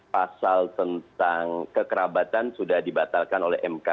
pasal tentang kekerabatan sudah dibatalkan oleh mk